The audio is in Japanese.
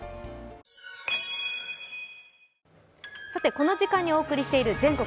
この時間にお送りしている「全国！